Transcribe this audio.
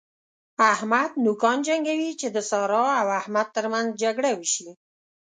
احمد نوکان جنګوي چې د سارا او احمد تر منځ جګړه وشي.